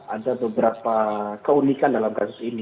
ada beberapa keunikan dalam kasus ini